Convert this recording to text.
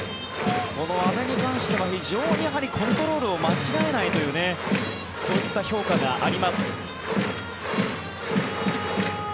この阿部に関しては非常にコントロールを間違えないというそういった評価があります。